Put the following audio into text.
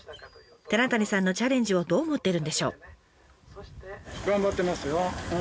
寺谷さんのチャレンジをどう思ってるんでしょう。